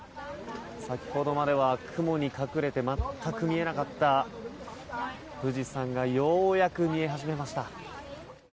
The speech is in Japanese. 先ほどまでは雲に隠れて全く見えなかった富士山がようやく見え始めました。